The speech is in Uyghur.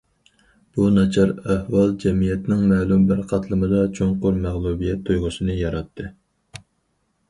بۇ ناچار ئەھۋال جەمئىيەتنىڭ مەلۇم بىر قاتلىمىدا چوڭقۇر مەغلۇبىيەت تۇيغۇسىنى ياراتتى.